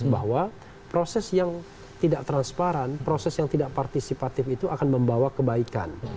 bahwa proses yang tidak transparan proses yang tidak partisipatif itu akan membawa kebaikan